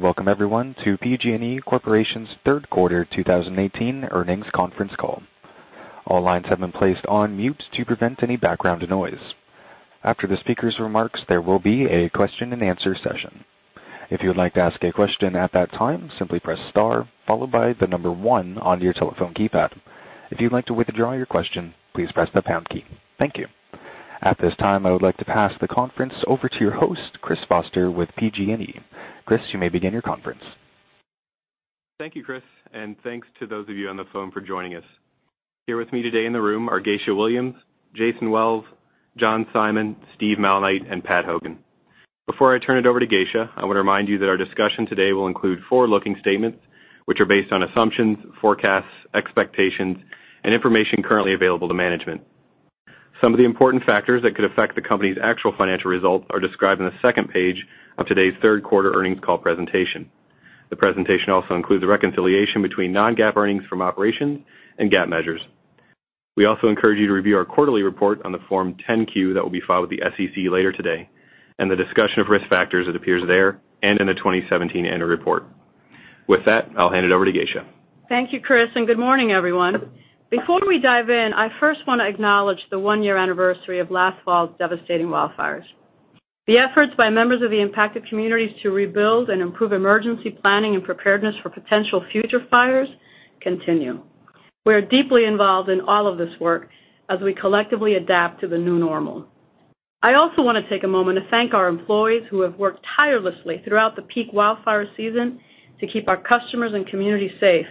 Welcome everyone to PG&E Corporation's third quarter 2018 earnings conference call. All lines have been placed on mute to prevent any background noise. After the speaker's remarks, there will be a question and answer session. If you would like to ask a question at that time, simply press star followed by the number 1 on your telephone keypad. If you'd like to withdraw your question, please press the pound key. Thank you. At this time, I would like to pass the conference over to your host, Christopher Foster with PG&E. Chris, you may begin your conference. Thank you, Chris, and thanks to those of you on the phone for joining us. Here with me today in the room are Geisha Williams, Jason Wells, John Simon, Steve Malnight, and Pat Hogan. Before I turn it over to Geisha, I want to remind you that our discussion today will include forward-looking statements, which are based on assumptions, forecasts, expectations, and information currently available to management. Some of the important factors that could affect the company's actual financial results are described in the second page of today's third quarter earnings call presentation. The presentation also includes a reconciliation between non-GAAP earnings from operations and GAAP measures. We also encourage you to review our quarterly report on the Form 10-Q that will be filed with the SEC later today, and the discussion of risk factors that appears there and in the 2017 annual report. With that, I'll hand it over to Geisha. Thank you, Chris, and good morning, everyone. Before we dive in, I first want to acknowledge the one-year anniversary of last fall's devastating wildfires. The efforts by members of the impacted communities to rebuild and improve emergency planning and preparedness for potential future fires continue. We're deeply involved in all of this work as we collectively adapt to the new normal. I also want to take a moment to thank our employees who have worked tirelessly throughout the peak wildfire season to keep our customers and communities safe,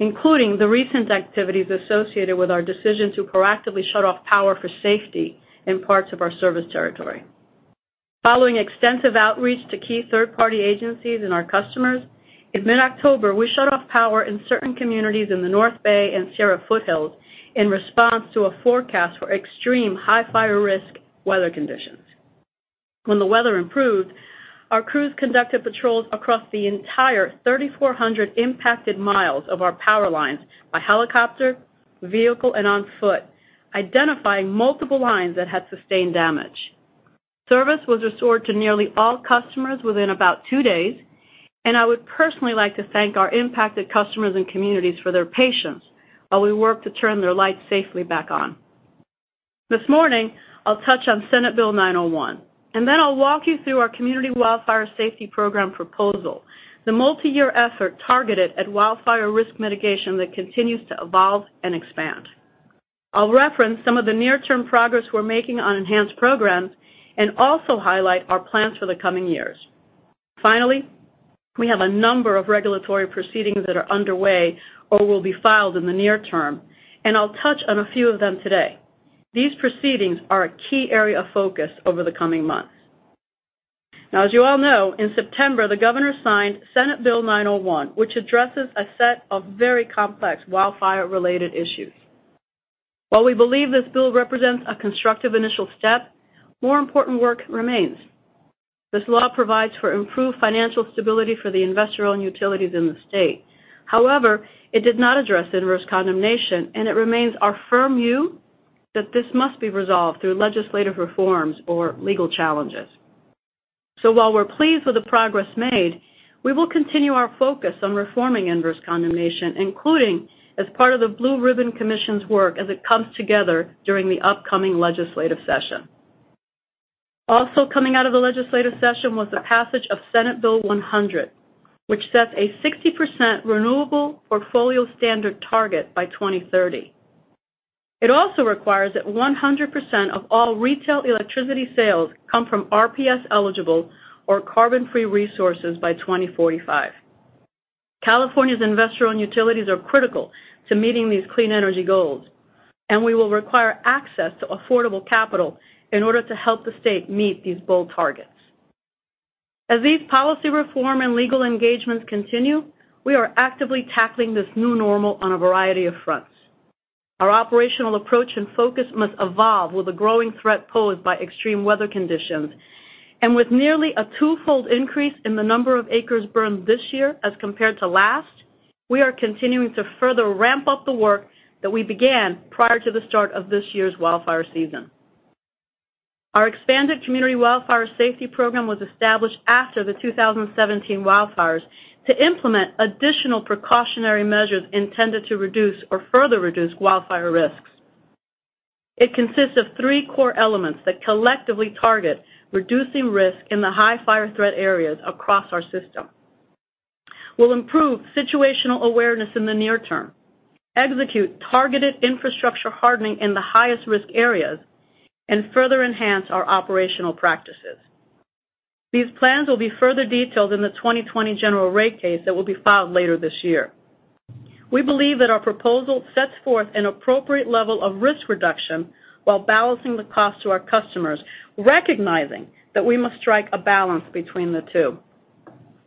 including the recent activities associated with our decision to proactively shut off power for safety in parts of our service territory. Following extensive outreach to key third-party agencies and our customers, in mid-October, we shut off power in certain communities in the North Bay and Sierra Foothills in response to a forecast for extreme high fire risk weather conditions. When the weather improved, our crews conducted patrols across the entire 3,400 impacted miles of our power lines by helicopter, vehicle, and on foot, identifying multiple lines that had sustained damage. Service was restored to nearly all customers within about two days, and I would personally like to thank our impacted customers and communities for their patience while we worked to turn their lights safely back on. This morning, I'll touch on Senate Bill 901. Then I'll walk you through our Community Wildfire Safety Program proposal, the multi-year effort targeted at wildfire risk mitigation that continues to evolve and expand. I'll reference some of the near-term progress we're making on enhanced programs and also highlight our plans for the coming years. We have a number of regulatory proceedings that are underway or will be filed in the near term, and I'll touch on a few of them today. These proceedings are a key area of focus over the coming months. As you all know, in September, the governor signed Senate Bill 901, which addresses a set of very complex wildfire-related issues. While we believe this bill represents a constructive initial step, more important work remains. This law provides for improved financial stability for the investor-owned utilities in the state. However, it did not address inverse condemnation, and it remains our firm view that this must be resolved through legislative reforms or legal challenges. While we're pleased with the progress made, we will continue our focus on reforming inverse condemnation, including as part of the Blue Ribbon Commission's work as it comes together during the upcoming legislative session. Also coming out of the legislative session was the passage of Senate Bill 100, which sets a 60% Renewable Portfolio Standard target by 2030. It also requires that 100% of all retail electricity sales come from RPS-eligible or carbon-free resources by 2045. California's investor-owned utilities are critical to meeting these clean energy goals, and we will require access to affordable capital in order to help the state meet these bold targets. As these policy reform and legal engagements continue, we are actively tackling this new normal on a variety of fronts. Our operational approach and focus must evolve with the growing threat posed by extreme weather conditions. With nearly a twofold increase in the number of acres burned this year as compared to last, we are continuing to further ramp up the work that we began prior to the start of this year's wildfire season. Our expanded Community Wildfire Safety Program was established after the 2017 wildfires to implement additional precautionary measures intended to reduce or further reduce wildfire risks. It consists of three core elements that collectively target reducing risk in the high fire threat areas across our system. We'll improve situational awareness in the near-term, execute targeted infrastructure hardening in the highest risk areas, and further enhance our operational practices. These plans will be further detailed in the 2020 General Rate Case that will be filed later this year. We believe that our proposal sets forth an appropriate level of risk reduction while balancing the cost to our customers, recognizing that we must strike a balance between the two.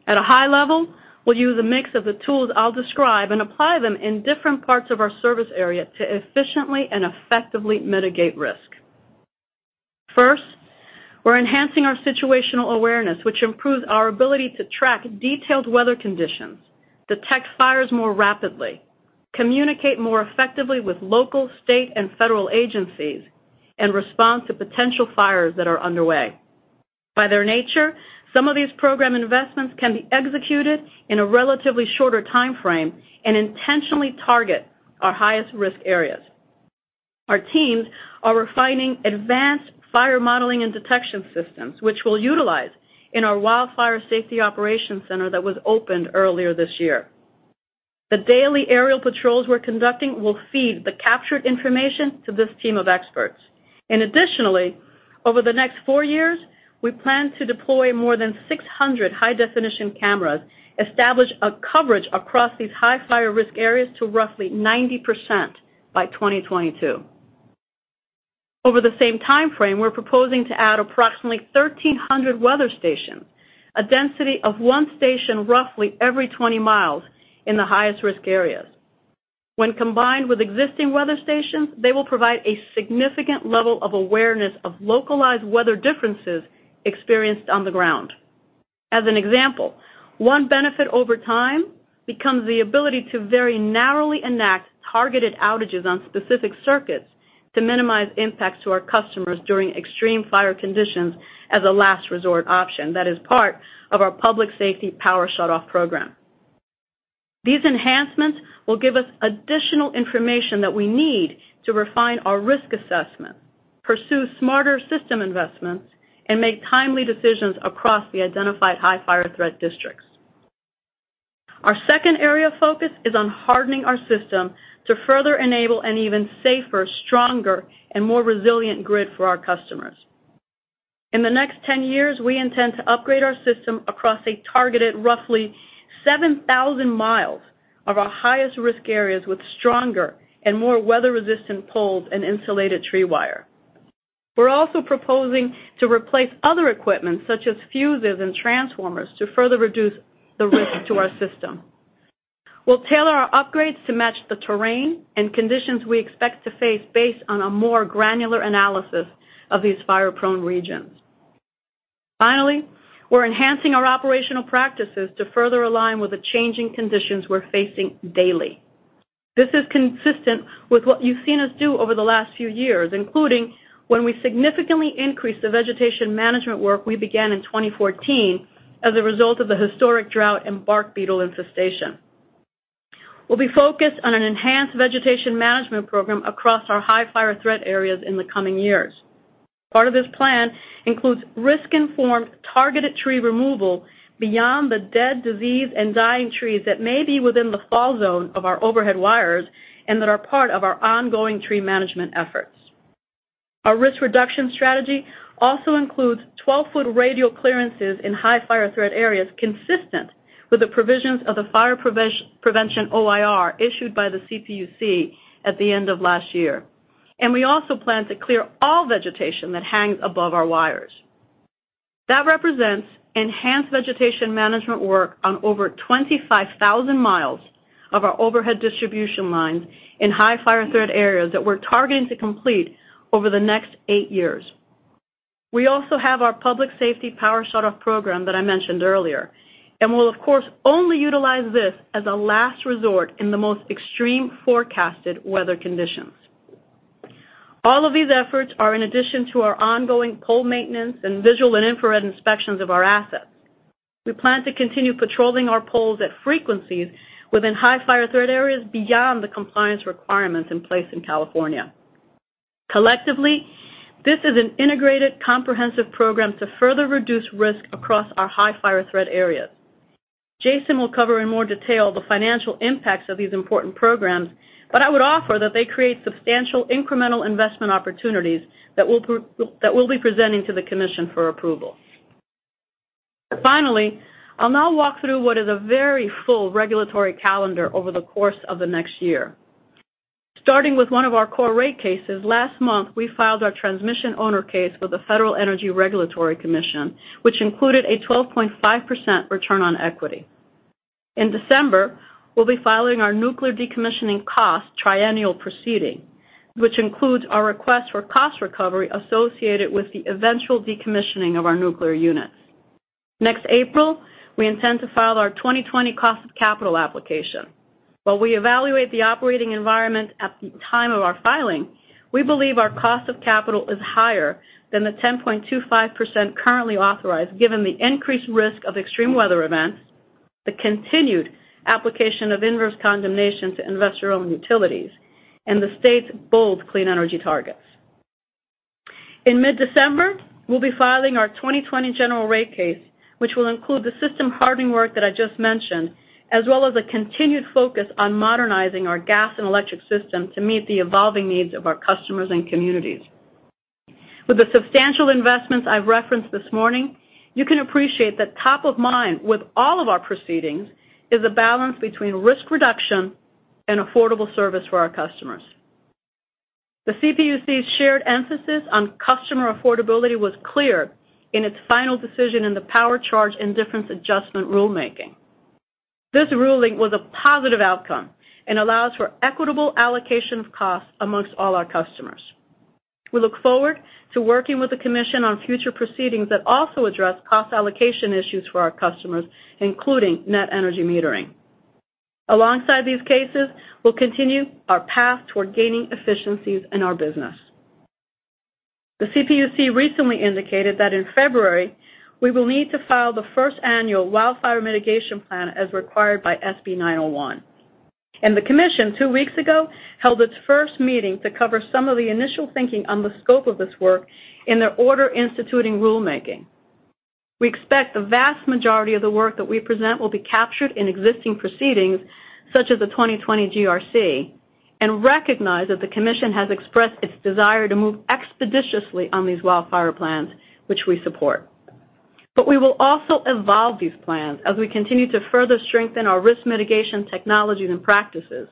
At a high level, we'll use a mix of the tools I'll describe and apply them in different parts of our service area to efficiently and effectively mitigate risk. First, we're enhancing our situational awareness, which improves our ability to track detailed weather conditions, detect fires more rapidly. Communicate more effectively with local, state, and federal agencies and respond to potential fires that are underway. By their nature, some of these program investments can be executed in a relatively shorter timeframe and intentionally target our highest risk areas. Our teams are refining advanced fire modeling and detection systems, which we'll utilize in our Wildfire Safety Operations Center that was opened earlier this year. The daily aerial patrols we're conducting will feed the captured information to this team of experts. Additionally, over the next four years, we plan to deploy more than 600 high-definition cameras, establish coverage across these high fire risk areas to roughly 90% by 2022. Over the same timeframe, we're proposing to add approximately 1,300 weather stations, a density of one station roughly every 20 miles in the highest risk areas. When combined with existing weather stations, they will provide a significant level of awareness of localized weather differences experienced on the ground. As an example, one benefit over time becomes the ability to very narrowly enact targeted outages on specific circuits to minimize impacts to our customers during extreme fire conditions as a last resort option that is part of our Public Safety Power Shutoff program. These enhancements will give us additional information that we need to refine our risk assessment, pursue smarter system investments, and make timely decisions across the identified high fire threat districts. Our second area of focus is on hardening our system to further enable an even safer, stronger, and more resilient grid for our customers. In the next 10 years, we intend to upgrade our system across a targeted roughly 7,000 miles of our highest risk areas with stronger and more weather-resistant poles and insulated tree wire. We're also proposing to replace other equipment, such as fuses and transformers, to further reduce the risk to our system. We'll tailor our upgrades to match the terrain and conditions we expect to face based on a more granular analysis of these fire-prone regions. Finally, we're enhancing our operational practices to further align with the changing conditions we're facing daily. This is consistent with what you've seen us do over the last few years, including when we significantly increased the vegetation management work we began in 2014 as a result of the historic drought and bark beetle infestation. We'll be focused on an enhanced vegetation management program across our high fire threat areas in the coming years. Part of this plan includes risk-informed targeted tree removal beyond the dead, diseased, and dying trees that may be within the fall zone of our overhead wires and that are part of our ongoing tree management efforts. Our risk reduction strategy also includes 12-foot radial clearances in high fire threat areas consistent with the provisions of the Fire Prevention OIR issued by the CPUC at the end of last year. We also plan to clear all vegetation that hangs above our wires. That represents enhanced vegetation management work on over 25,000 miles of our overhead distribution lines in high fire threat areas that we're targeting to complete over the next eight years. We also have our Public Safety Power Shutoff program that I mentioned earlier, and we'll of course only utilize this as a last resort in the most extreme forecasted weather conditions. All of these efforts are in addition to our ongoing pole maintenance and visual and infrared inspections of our assets. We plan to continue patrolling our poles at frequencies within high fire threat areas beyond the compliance requirements in place in California. Collectively, this is an integrated, comprehensive program to further reduce risk across our high fire threat areas. Jason will cover in more detail the financial impacts of these important programs, but I would offer that they create substantial incremental investment opportunities that we'll be presenting to the Commission for approval. Finally, I'll now walk through what is a very full regulatory calendar over the course of the next year. Starting with one of our core rate cases, last month, we filed our Transmission Owner rate case with the Federal Energy Regulatory Commission, which included a 12.5% return on equity. In December, we'll be filing our Nuclear Decommissioning Cost Triennial Proceeding, which includes our request for cost recovery associated with the eventual decommissioning of our nuclear units. Next April, we intend to file our 2020 cost of capital application. While we evaluate the operating environment at the time of our filing, we believe our cost of capital is higher than the 10.25% currently authorized, given the increased risk of extreme weather events, the continued application of inverse condemnation to investor-owned utilities, and the state's bold clean energy targets. In mid-December, we'll be filing our 2020 General Rate Case, which will include the system hardening work that I just mentioned, as well as a continued focus on modernizing our gas and electric system to meet the evolving needs of our customers and communities. With the substantial investments I've referenced this morning, you can appreciate that top of mind with all of our proceedings is a balance between risk reduction and affordable service for our customers. The CPUC's shared emphasis on customer affordability was clear in its final decision in the Power Charge Indifference Adjustment rulemaking. This ruling was a positive outcome and allows for equitable allocation of costs amongst all our customers. We look forward to working with the Commission on future proceedings that also address cost allocation issues for our customers, including net energy metering. Alongside these cases, we'll continue our path toward gaining efficiencies in our business. The CPUC recently indicated that in February, we will need to file the first annual Wildfire Mitigation Plan as required by SB 901. The Commission, two weeks ago, held its first meeting to cover some of the initial thinking on the scope of this work in their Order Instituting Rulemaking. We expect the vast majority of the work that we present will be captured in existing proceedings, such as the 2020 GRC, and recognize that the Commission has expressed its desire to move expeditiously on these wildfire plans, which we support. We will also evolve these plans as we continue to further strengthen our risk mitigation technologies and practices,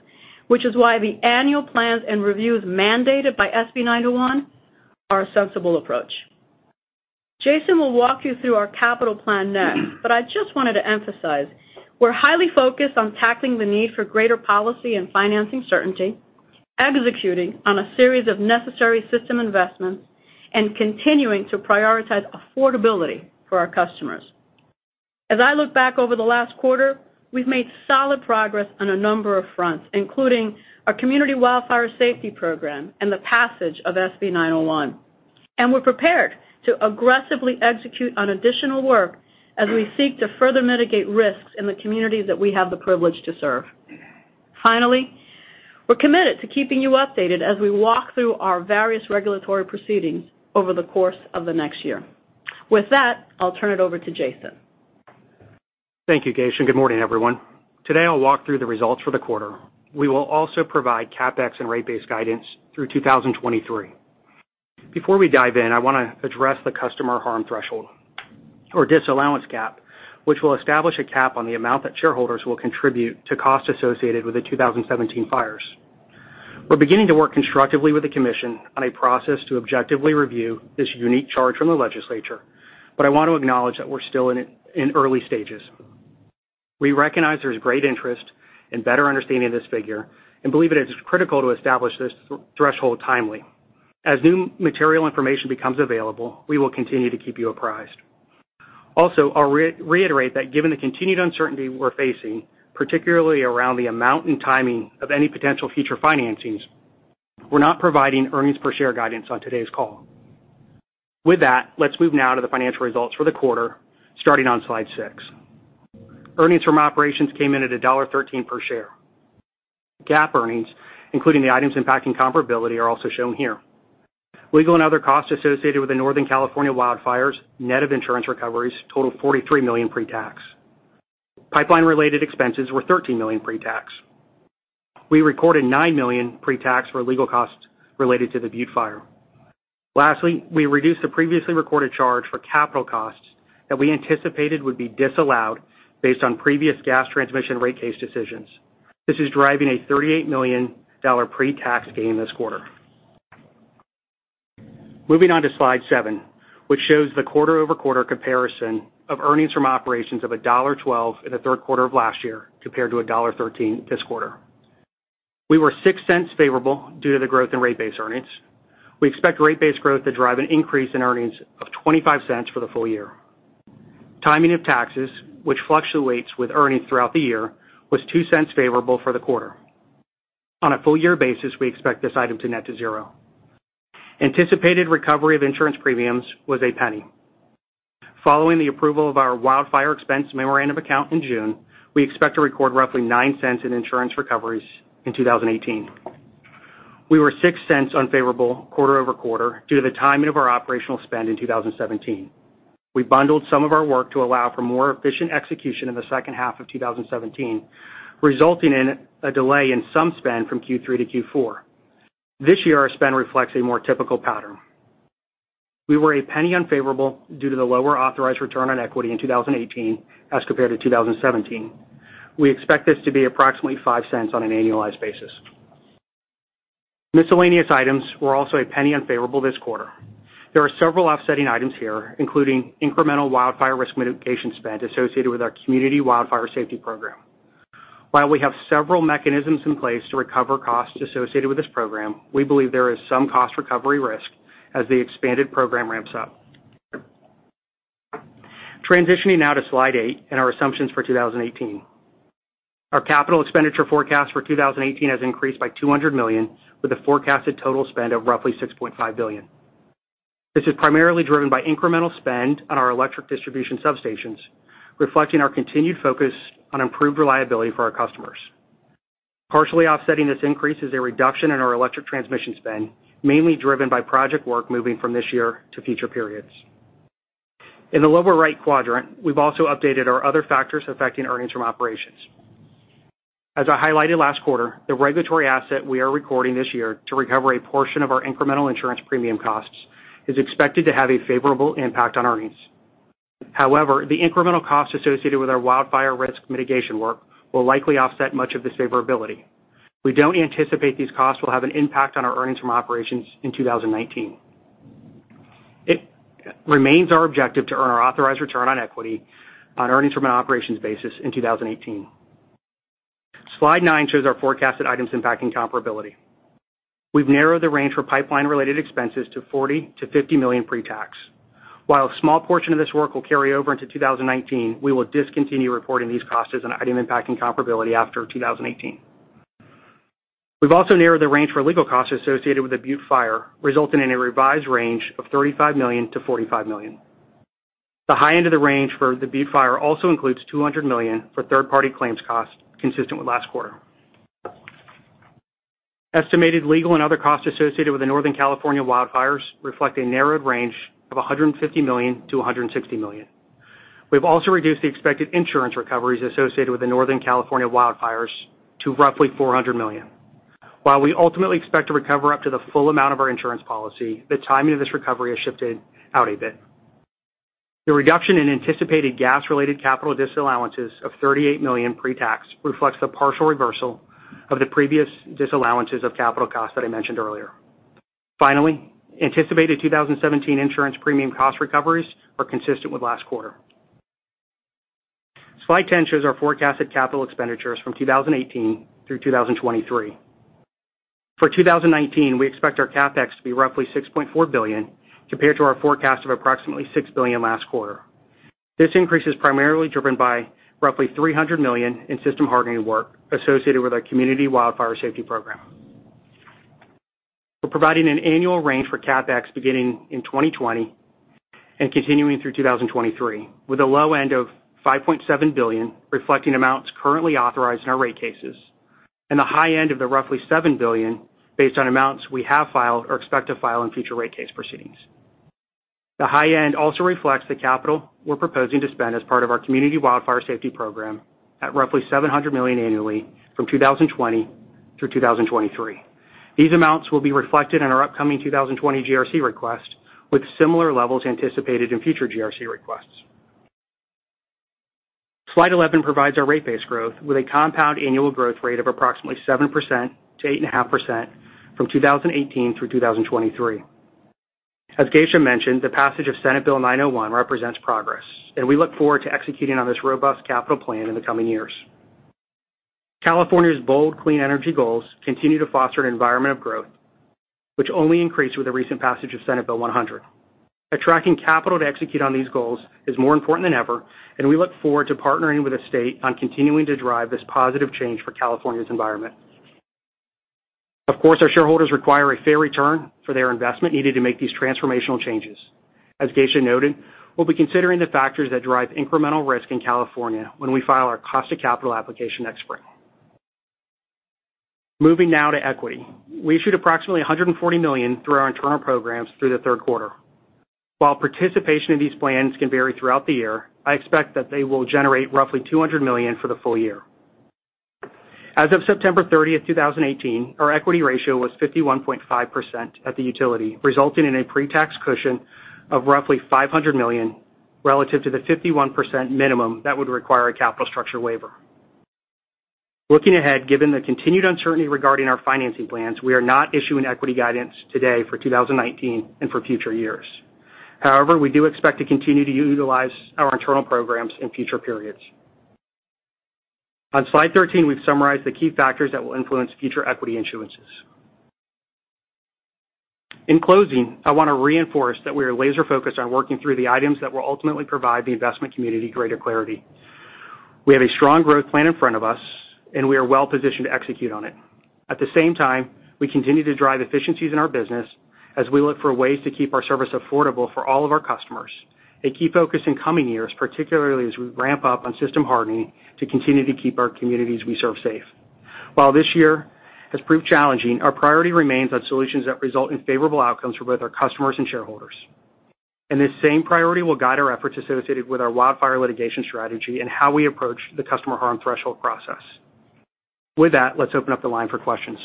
which is why the annual plans and reviews mandated by SB 901 are a sensible approach. Jason will walk you through our capital plan next, I just wanted to emphasize, we're highly focused on tackling the need for greater policy and financing certainty, executing on a series of necessary system investments, and continuing to prioritize affordability for our customers. As I look back over the last quarter, we've made solid progress on a number of fronts, including our Community Wildfire Safety Program and the passage of SB 901, and we're prepared to aggressively execute on additional work as we seek to further mitigate risks in the communities that we have the privilege to serve. Finally, we're committed to keeping you updated as we walk through our various regulatory proceedings over the course of the next year. With that, I'll turn it over to Jason. Thank you, Geisha, and good morning, everyone. Today, I'll walk through the results for the quarter. We will also provide CapEx and rate base guidance through 2023. Before we dive in, I want to address the customer harm threshold or disallowance gap, which will establish a cap on the amount that shareholders will contribute to cost associated with the 2017 fires. We're beginning to work constructively with the commission on a process to objectively review this unique charge from the legislature, but I want to acknowledge that we're still in early stages. We recognize there's great interest in better understanding this figure and believe it is critical to establish this threshold timely. As new material information becomes available, we will continue to keep you apprised. Also, I'll reiterate that given the continued uncertainty we're facing, particularly around the amount and timing of any potential future financings, we're not providing earnings per share guidance on today's call. With that, let's move now to the financial results for the quarter, starting on slide six. Earnings from operations came in at $1.13 per share. GAAP earnings, including the items impacting comparability, are also shown here. Legal and other costs associated with the Northern California wildfires, net of insurance recoveries, total $43 million pre-tax. Pipeline-related expenses were $13 million pre-tax. We recorded $9 million pre-tax for legal costs related to the Butte Fire. Lastly, we reduced the previously recorded charge for capital costs that we anticipated would be disallowed based on previous gas transmission rate case decisions. This is driving a $38 million pre-tax gain this quarter. Moving on to slide seven, which shows the quarter-over-quarter comparison of earnings from operations of $1.12 in the third quarter of last year compared to $1.13 this quarter. We were $0.06 favorable due to the growth in rate base earnings. We expect rate base growth to drive an increase in earnings of $0.25 for the full year. Timing of taxes, which fluctuates with earnings throughout the year, was $0.02 favorable for the quarter. On a full year basis, we expect this item to net to zero. Anticipated recovery of insurance premiums was $0.01. Following the approval of our Wildfire Expense Memorandum Account in June, we expect to record roughly $0.09 in insurance recoveries in 2018. We were $0.06 unfavorable quarter-over-quarter due to the timing of our operational spend in 2017. We bundled some of our work to allow for more efficient execution in the second half of 2017, resulting in a delay in some spend from Q3 to Q4. This year, our spend reflects a more typical pattern. We were $0.01 unfavorable due to the lower authorized return on equity in 2018 as compared to 2017. We expect this to be approximately $0.05 on an annualized basis. Miscellaneous items were also $0.01 unfavorable this quarter. There are several offsetting items here, including incremental wildfire risk mitigation spend associated with our Community Wildfire Safety Program. While we have several mechanisms in place to recover costs associated with this program, we believe there is some cost recovery risk as the expanded program ramps up. Transitioning now to slide eight and our assumptions for 2018. Our capital expenditure forecast for 2018 has increased by $200 million, with a forecasted total spend of roughly $6.5 billion. This is primarily driven by incremental spend on our electric distribution substations, reflecting our continued focus on improved reliability for our customers. Partially offsetting this increase is a reduction in our electric transmission spend, mainly driven by project work moving from this year to future periods. In the lower right quadrant, we've also updated our other factors affecting earnings from operations. As I highlighted last quarter, the regulatory asset we are recording this year to recover a portion of our incremental insurance premium costs is expected to have a favorable impact on earnings. However, the incremental cost associated with our wildfire risk mitigation work will likely offset much of this favorability. We don't anticipate these costs will have an impact on our earnings from operations in 2019. It remains our objective to earn our authorized return on equity on earnings from an operations basis in 2018. Slide nine shows our forecasted items impacting comparability. We've narrowed the range for pipeline-related expenses to $40 million-$50 million pre-tax. While a small portion of this work will carry over into 2019, we will discontinue reporting these costs as an item impacting comparability after 2018. We've also narrowed the range for legal costs associated with the Butte Fire, resulting in a revised range of $35 million-$45 million. The high end of the range for the Butte Fire also includes $200 million for third-party claims costs, consistent with last quarter. Estimated legal and other costs associated with the Northern California wildfires reflect a narrowed range of $150 million-$160 million. We've also reduced the expected insurance recoveries associated with the Northern California wildfires to roughly $400 million. While we ultimately expect to recover up to the full amount of our insurance policy, the timing of this recovery has shifted out a bit. The reduction in anticipated gas-related capital disallowances of $38 million pre-tax reflects the partial reversal of the previous disallowances of capital costs that I mentioned earlier. Finally, anticipated 2017 insurance premium cost recoveries are consistent with last quarter. Slide 10 shows our forecasted capital expenditures from 2018 through 2023. For 2019, we expect our CapEx to be roughly $6.4 billion, compared to our forecast of approximately $6 billion last quarter. This increase is primarily driven by roughly $300 million in system hardening work associated with our Community Wildfire Safety Program. We're providing an annual range for CapEx beginning in 2020 and continuing through 2023, with a low end of $5.7 billion, reflecting amounts currently authorized in our rate cases, and the high end of the roughly $7 billion based on amounts we have filed or expect to file in future rate case proceedings. The high end also reflects the capital we're proposing to spend as part of our Community Wildfire Safety Program at roughly $700 million annually from 2020 through 2023. These amounts will be reflected in our upcoming 2020 GRC request, with similar levels anticipated in future GRC requests. Slide 11 provides our rate base growth with a compound annual growth rate of approximately 7% to 8.5% from 2018 through 2023. As Geisha mentioned, the passage of Senate Bill 901 represents progress, and we look forward to executing on this robust capital plan in the coming years. California's bold clean energy goals continue to foster an environment of growth, which only increased with the recent passage of Senate Bill 100. Attracting capital to execute on these goals is more important than ever, and we look forward to partnering with the state on continuing to drive this positive change for California's environment. Our shareholders require a fair return for their investment needed to make these transformational changes. As Geisha noted, we'll be considering the factors that drive incremental risk in California when we file our cost of capital application next spring. Moving now to equity. We issued approximately $140 million through our internal programs through the third quarter. While participation in these plans can vary throughout the year, I expect that they will generate roughly $200 million for the full year. As of September 30th, 2018, our equity ratio was 51.5% at the utility, resulting in a pre-tax cushion of roughly $500 million relative to the 51% minimum that would require a capital structure waiver. Looking ahead, given the continued uncertainty regarding our financing plans, we are not issuing equity guidance today for 2019 and for future years. We do expect to continue to utilize our internal programs in future periods. On slide 13, we've summarized the key factors that will influence future equity issuances. In closing, I want to reinforce that we are laser-focused on working through the items that will ultimately provide the investment community greater clarity. We have a strong growth plan in front of us, and we are well-positioned to execute on it. We continue to drive efficiencies in our business as we look for ways to keep our service affordable for all of our customers, a key focus in coming years, particularly as we ramp up on system hardening to continue to keep our communities we serve safe. While this year has proved challenging, our priority remains on solutions that result in favorable outcomes for both our customers and shareholders. This same priority will guide our efforts associated with our wildfire litigation strategy and how we approach the customer harm threshold process. With that, let's open up the line for questions.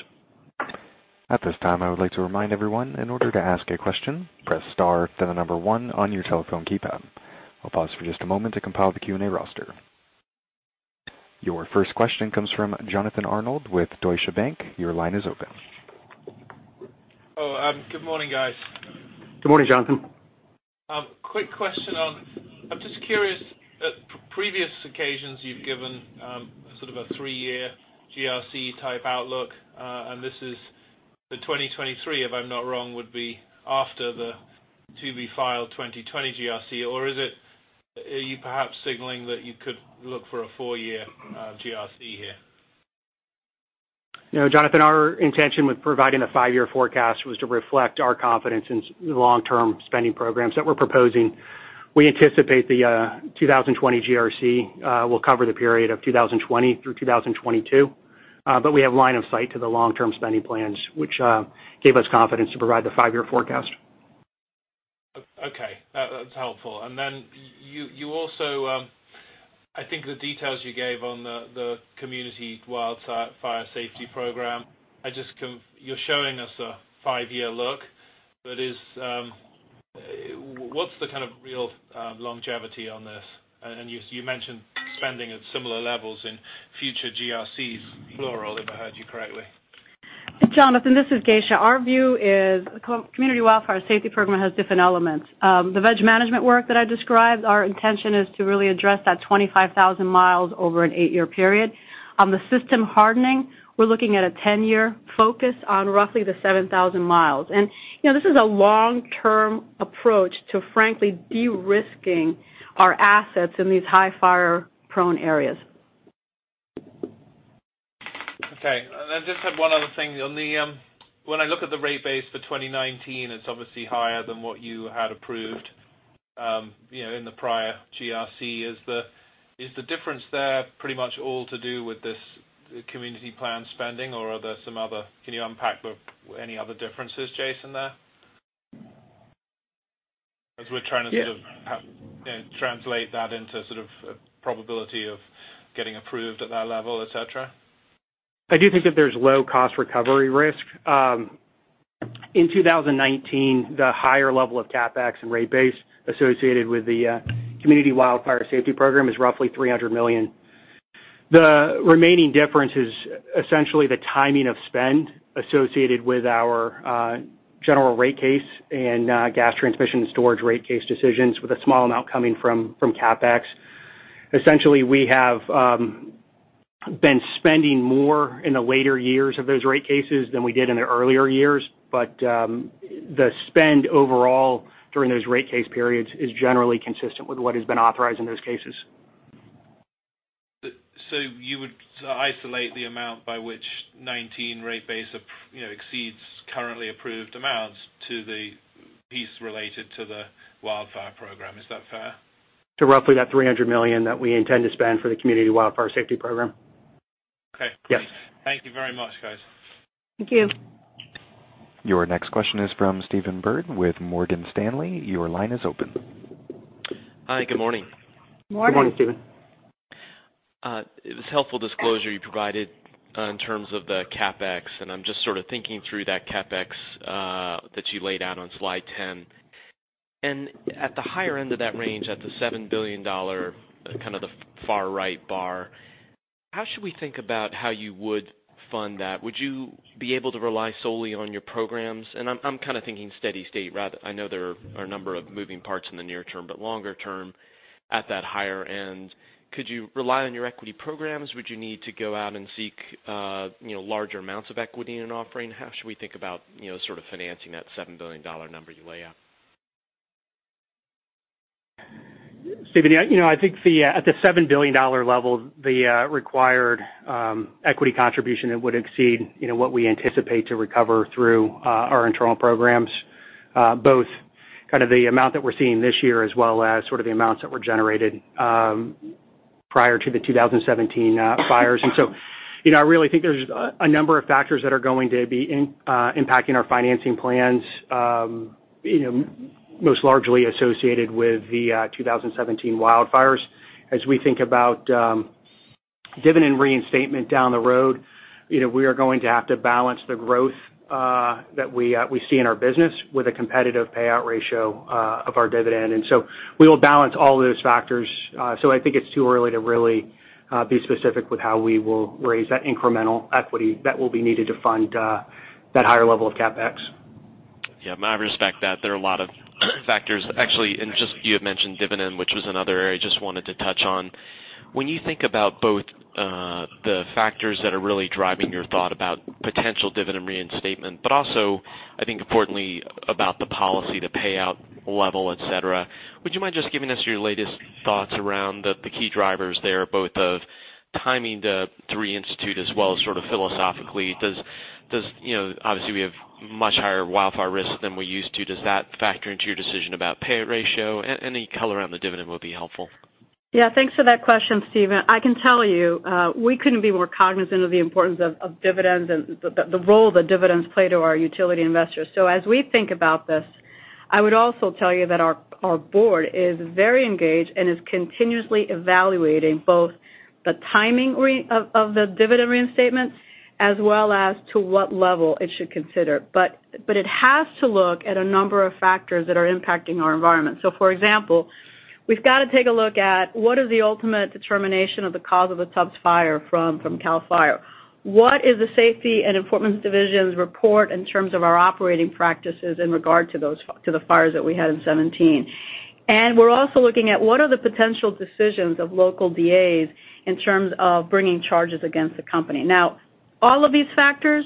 At this time, I would like to remind everyone, in order to ask a question, press star, then the number 1 on your telephone keypad. I'll pause for just a moment to compile the Q&A roster. Your first question comes from Jonathan Arnold with Deutsche Bank. Your line is open. Good morning, Jonathan. Quick question on, I'm just curious, at previous occasions, you've given sort of a three-year GRC-type outlook. This is the 2023, if I'm not wrong, would be after the to-be-filed 2020 GRC. Are you perhaps signaling that you could look for a four-year GRC here? Jonathan, our intention with providing the five-year forecast was to reflect our confidence in the long-term spending programs that we're proposing. We anticipate the 2020 GRC will cover the period of 2020 through 2022. We have line of sight to the long-term spending plans, which gave us confidence to provide the five-year forecast. Okay. That's helpful. You also, I think the details you gave on the Community Wildfire Safety Program, you're showing us a five-year look, but what's the kind of real longevity on this? You mentioned spending at similar levels in future GRCs plural, if I heard you correctly. Jonathan, this is Geisha. Our view is Community Wildfire Safety Program has different elements. The veg management work that I described, our intention is to really address that 25,000 miles over an eight-year period. The system hardening, we're looking at a 10-year focus on roughly the 7,000 miles. This is a long-term approach to frankly de-risking our assets in these high fire-prone areas. Okay. I just have one other thing. When I look at the rate base for 2019, it's obviously higher than what you had approved in the prior GRC. Is the difference there pretty much all to do with this community plan spending, or are there some other? Can you unpack any other differences, Jason, there? As we're trying to sort of translate that into sort of a probability of getting approved at that level, et cetera. I do think that there's low cost recovery risk. In 2019, the higher level of CapEx and rate base associated with the Community Wildfire Safety Program is roughly $300 million. The remaining difference is essentially the timing of spend associated with our General Rate Case and Gas Transmission Storage rate case decisions, with a small amount coming from CapEx. Essentially, we have been spending more in the later years of those rate cases than we did in the earlier years. The spend overall during those rate case periods is generally consistent with what has been authorized in those cases. You would isolate the amount by which 2019 rate base exceeds currently approved amounts to the piece related to the wildfire program. Is that fair? To roughly that $300 million that we intend to spend for the Community Wildfire Safety Program. Okay, great. Yes. Thank you very much, guys. Thank you. Your next question is from Stephen Byrd with Morgan Stanley. Your line is open. Hi, good morning. Morning. Good morning, Stephen. It was helpful disclosure you provided in terms of the CapEx. I'm just sort of thinking through that CapEx that you laid out on slide 10. At the higher end of that range, at the $7 billion, kind of the far right bar, how should we think about how you would fund that? Would you be able to rely solely on your programs? I'm kind of thinking steady state rather, I know there are a number of moving parts in the near term, but longer term at that higher end, could you rely on your equity programs? Would you need to go out and seek larger amounts of equity in an offering? How should we think about sort of financing that $7 billion number you lay out? Stephen, I think at the $7 billion level, the required equity contribution, it would exceed what we anticipate to recover through our internal programs, both kind of the amount that we're seeing this year, as well as sort of the amounts that were generated prior to the 2017 fires. I really think there's a number of factors that are going to be impacting our financing plans, most largely associated with the 2017 wildfires. As we think about dividend reinstatement down the road, we are going to have to balance the growth that we see in our business with a competitive payout ratio of our dividend. We will balance all of those factors. I think it's too early to really be specific with how we will raise that incremental equity that will be needed to fund that higher level of CapEx. Yeah, I respect that there are a lot of factors. Actually, just you had mentioned dividend, which was another area I just wanted to touch on. When you think about both the factors that are really driving your thought about potential dividend reinstatement, but also, I think importantly about the policy, the payout level, et cetera, would you mind just giving us your latest thoughts around the key drivers there, both of timing to reinstitute as well as sort of philosophically? Obviously, we have much higher wildfire risk than we used to. Any color around the dividend would be helpful. Yeah, thanks for that question, Stephen. I can tell you, we couldn't be more cognizant of the importance of dividends and the role that dividends play to our utility investors. As we think about this, I would also tell you that our board is very engaged and is continuously evaluating both the timing of the dividend reinstatements as well as to what level it should consider. It has to look at a number of factors that are impacting our environment. For example, we've got to take a look at what is the ultimate determination of the cause of the Tubbs Fire from CAL FIRE. What is the Safety and Enforcement Division's report in terms of our operating practices in regard to the fires that we had in 2017? We're also looking at what are the potential decisions of local DAs in terms of bringing charges against the company. All of these factors,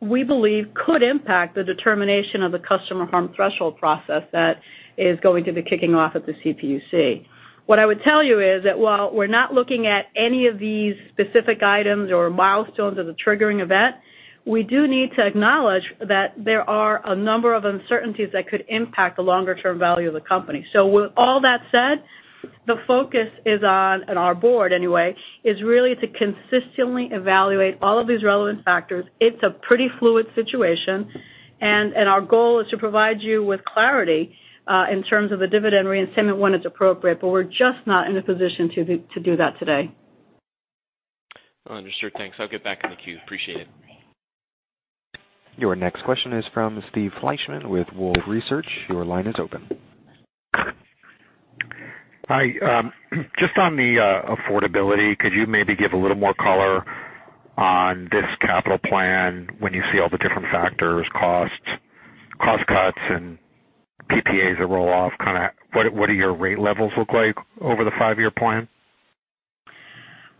we believe could impact the determination of the customer harm threshold process that is going to be kicking off at the CPUC. What I would tell you is that while we're not looking at any of these specific items or milestones as a triggering event, we do need to acknowledge that there are a number of uncertainties that could impact the longer-term value of the company. With all that said, the focus is on our board anyway, is really to consistently evaluate all of these relevant factors. It's a pretty fluid situation, and our goal is to provide you with clarity, in terms of a dividend reinstatement when it's appropriate, but we're just not in a position to do that today. Understood. Thanks. I'll get back in the queue. Appreciate it. Your next question is from Steve Fleishman with Wolfe Research. Your line is open. Just on the affordability, could you maybe give a little more color on this capital plan when you see all the different factors, costs, cost cuts, and PPAs that roll off? What do your rate levels look like over the five-year plan?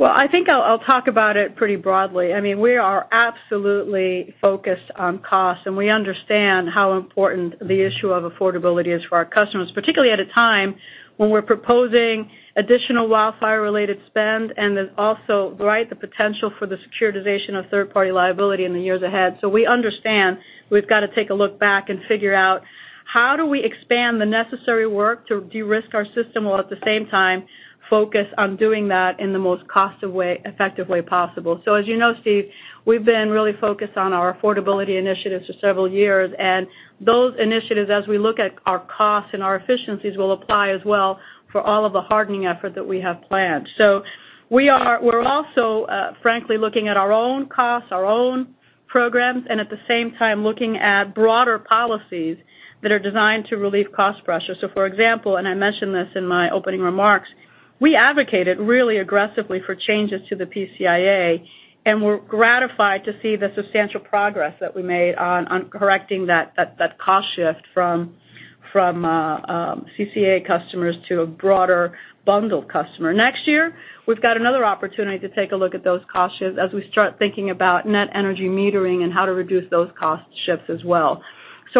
I think I'll talk about it pretty broadly. We are absolutely focused on cost, and we understand how important the issue of affordability is for our customers, particularly at a time when we're proposing additional wildfire-related spend, and then also, right, the potential for the securitization of third-party liability in the years ahead. We understand we've got to take a look back and figure out how do we expand the necessary work to de-risk our system, while at the same time focus on doing that in the most cost-effective way possible. As you know, Steve, we've been really focused on our affordability initiatives for several years, and those initiatives, as we look at our costs and our efficiencies, will apply as well for all of the hardening effort that we have planned. We're also frankly looking at our own costs, our own programs, and at the same time looking at broader policies that are designed to relieve cost pressures. For example, and I mentioned this in my opening remarks, we advocated really aggressively for changes to the PCIA, and we're gratified to see the substantial progress that we made on correcting that cost shift from CCA customers to a broader bundle customer. Next year, we've got another opportunity to take a look at those cost shifts as we start thinking about net energy metering and how to reduce those cost shifts as well.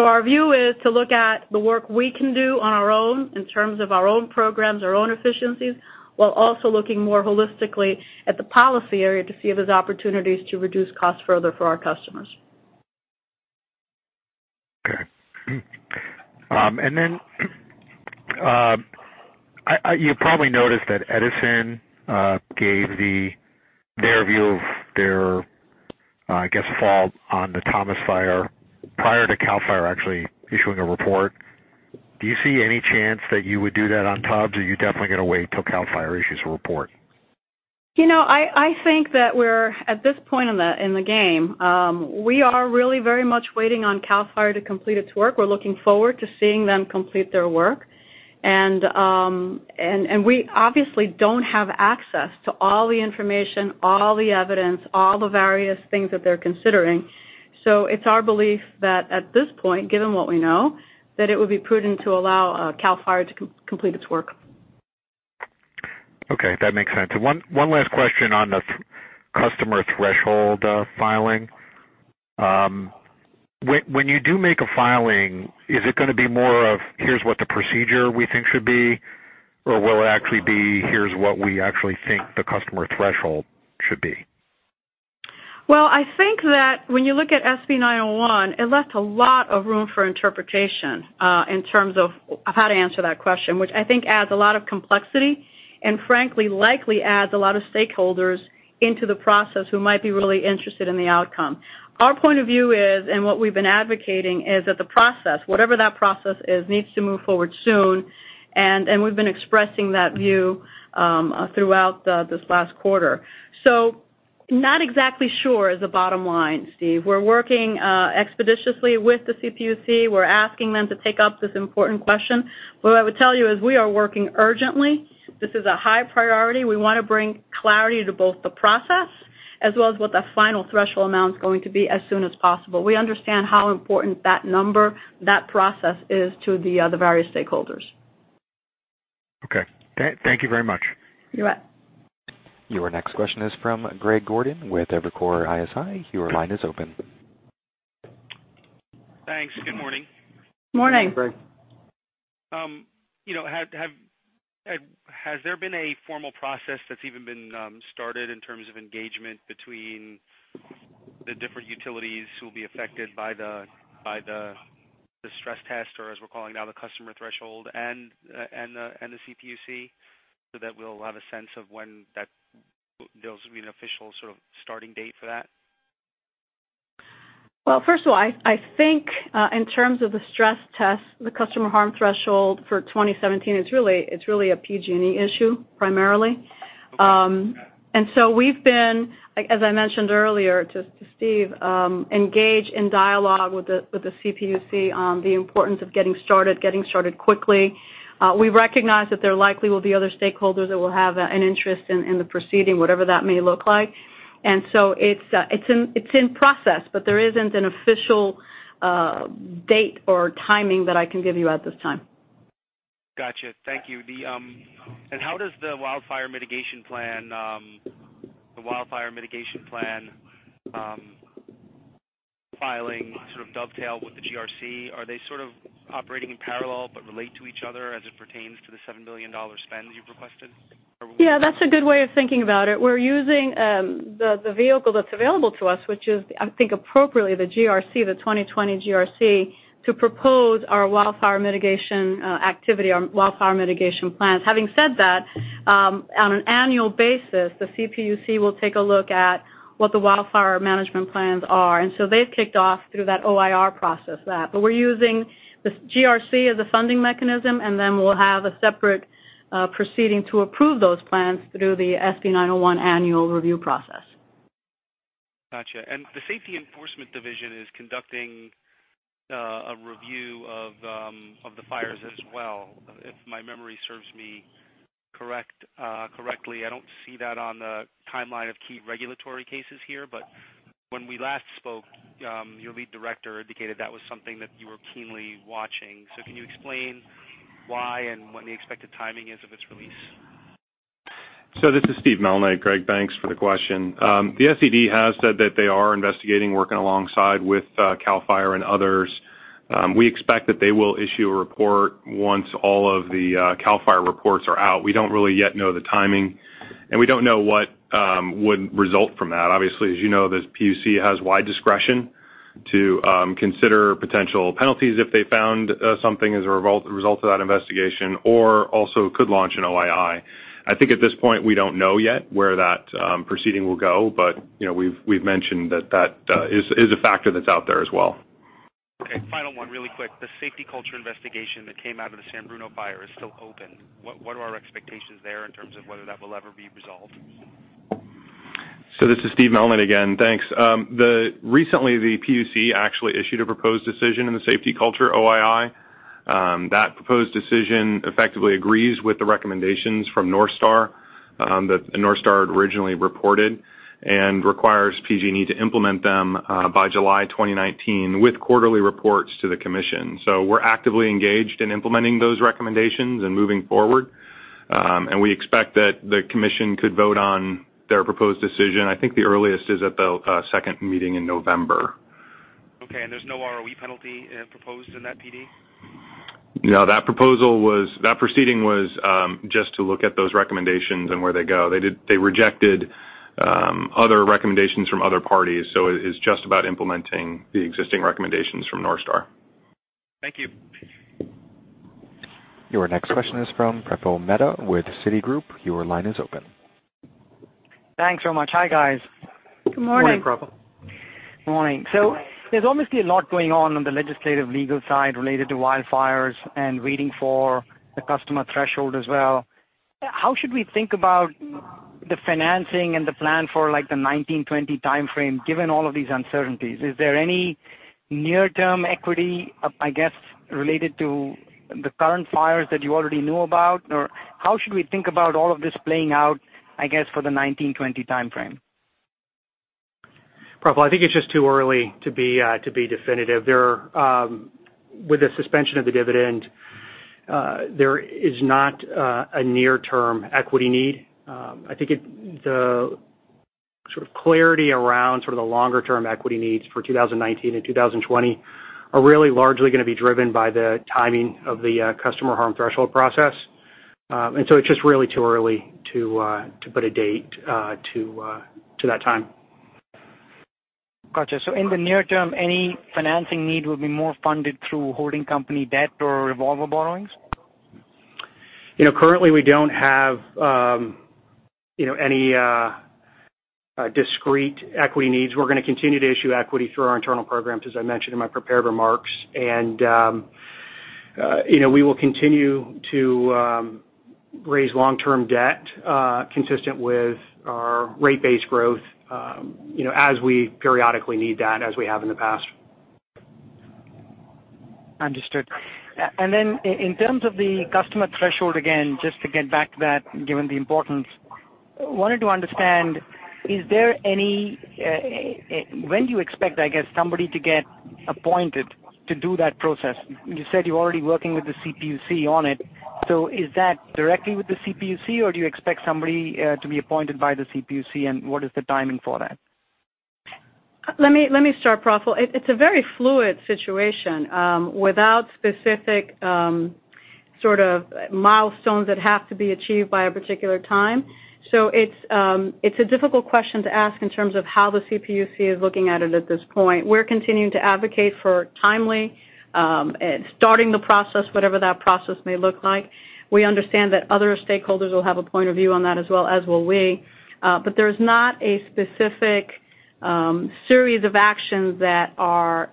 Our view is to look at the work we can do on our own in terms of our own programs, our own efficiencies, while also looking more holistically at the policy area to see if there's opportunities to reduce costs further for our customers. Okay. You probably noticed that Edison gave their view of their, I guess, fault on the Thomas Fire prior to CAL FIRE actually issuing a report. Do you see any chance that you would do that on Tubbs, or are you definitely going to wait till CAL FIRE issues a report? I think that at this point in the game, we are really very much waiting on CAL FIRE to complete its work. We're looking forward to seeing them complete their work. We obviously don't have access to all the information, all the evidence, all the various things that they're considering. It's our belief that at this point, given what we know, that it would be prudent to allow CAL FIRE to complete its work. Okay. That makes sense. One last question on the customer harm threshold filing. When you do make a filing, is it going to be more of, here's what the procedure we think should be, or will it actually be, here's what we actually think the customer harm threshold should be? Well, I think that when you look at SB 901, it left a lot of room for interpretation in terms of how to answer that question, which I think adds a lot of complexity, and frankly, likely adds a lot of stakeholders into the process who might be really interested in the outcome. Our point of view is, and what we've been advocating is that the process, whatever that process is, needs to move forward soon, and we've been expressing that view throughout this last quarter. Not exactly sure is the bottom line, Steve. We're working expeditiously with the CPUC. We're asking them to take up this important question. What I would tell you is we are working urgently. This is a high priority. We want to bring clarity to both the process as well as what the final threshold amount's going to be as soon as possible. We understand how important that number, that process is to the other various stakeholders. Okay. Thank you very much. You bet. Your next question is from Greg Gordon with Evercore ISI. Your line is open. Thanks. Good morning. Morning. Good morning, Greg. Has there been a formal process that's even been started in terms of engagement between the different utilities who will be affected by the stress test, or as we're calling now, the customer harm threshold, and the CPUC, so that we'll have a sense of when there'll be an official sort of starting date for that? Well, first of all, I think in terms of the stress test, the customer harm threshold for 2017, it's really a PG&E issue primarily. Okay. Yeah. We've been, as I mentioned earlier to Steve, engaged in dialogue with the CPUC on the importance of getting started quickly. We recognize that there likely will be other stakeholders that will have an interest in the proceeding, whatever that may look like. It's in process, but there isn't an official date or timing that I can give you at this time. Got you. Thank you. How does the Wildfire Mitigation Plan filing sort of dovetail with the GRC? Are they sort of operating in parallel but relate to each other as it pertains to the $7 billion spend you've requested? Yeah, that's a good way of thinking about it. We're using the vehicle that's available to us, which is, I think appropriately, the GRC, the 2020 GRC, to propose our wildfire mitigation activity, our Wildfire Mitigation Plan. Having said that, on an annual basis, the CPUC will take a look at what the wildfire management plans are. They've kicked off through that OIR process. We're using this GRC as a funding mechanism, and then we'll have a separate proceeding to approve those plans through the SB 901 annual review process. Gotcha. The Safety and Enforcement Division is conducting a review of the fires as well, if my memory serves me correctly. I don't see that on the timeline of key regulatory cases here. When we last spoke, your lead director indicated that was something that you were keenly watching. Can you explain why and when the expected timing is of its release? This is Steve Malnight. Greg, thanks for the question. The SED has said that they are investigating working alongside with CAL FIRE and others. We expect that they will issue a report once all of the CAL FIRE reports are out. We don't really yet know the timing, and we don't know what would result from that. Obviously, as you know, the PUC has wide discretion to consider potential penalties if they found something as a result of that investigation, or also could launch an OII. I think at this point, we don't know yet where that proceeding will go. We've mentioned that is a factor that's out there as well. Okay, final one really quick. The safety culture investigation that came out of the San Bruno fire is still open. What are our expectations there in terms of whether that will ever be resolved? This is Steve Malnight again. Thanks. Recently, the PUC actually issued a proposed decision in the safety culture OII. That proposed decision effectively agrees with the recommendations from NorthStar, that NorthStar had originally reported, and requires PG&E to implement them by July 2019 with quarterly reports to the commission. We're actively engaged in implementing those recommendations and moving forward. We expect that the commission could vote on their proposed decision, I think the earliest is at the second meeting in November. Okay, there's no ROE penalty proposed in that PD? No, that proceeding was just to look at those recommendations and where they go. They rejected other recommendations from other parties. It is just about implementing the existing recommendations from NorthStar. Thank you. Your next question is from Praful Mehta with Citigroup. Your line is open. Thanks so much. Hi, guys. Good morning. Morning, Praful. Morning. There's obviously a lot going on on the legislative legal side related to wildfires and waiting for the customer threshold as well. How should we think about the financing and the plan for the 2019, 2020 timeframe, given all of these uncertainties? Is there any near-term equity, I guess, related to the current fires that you already knew about? Or how should we think about all of this playing out, I guess, for the 2019, 2020 timeframe? Praful, I think it's just too early to be definitive. With the suspension of the dividend, there is not a near-term equity need. I think the sort of clarity around sort of the longer-term equity needs for 2019 and 2020 are really largely going to be driven by the timing of the customer harm threshold process. It's just really too early to put a date to that time. Gotcha. In the near term, any financing need will be more funded through holding company debt or revolver borrowings? Currently we don't have any discrete equity needs. We're going to continue to issue equity through our internal programs, as I mentioned in my prepared remarks. We will continue to raise long-term debt, consistent with our rate base growth as we periodically need that, as we have in the past. Understood. In terms of the customer threshold, again, just to get back to that, given the importance, wanted to understand when do you expect, I guess, somebody to get appointed to do that process? You said you're already working with the CPUC on it. Is that directly with the CPUC, or do you expect somebody to be appointed by the CPUC, and what is the timing for that? Let me start, Praful. It's a very fluid situation without specific sort of milestones that have to be achieved by a particular time. It's a difficult question to ask in terms of how the CPUC is looking at it at this point. We're continuing to advocate for timely starting the process, whatever that process may look like. We understand that other stakeholders will have a point of view on that as well, as will we. There's not a specific series of actions that